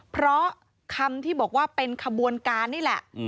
เพราะคำที่บอกว่าเป็นขบวนการนี่แหละ